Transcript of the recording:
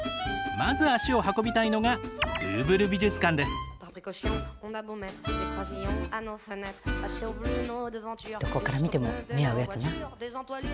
まず足を運びたいのがどこから見ても目合うやつな。